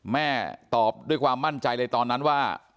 แม่ตอบด้วยความมั่นใจเลยตอนนั้นว่า